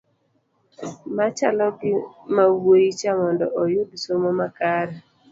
machalo gi mawuoyi cha mondo oyud somo makare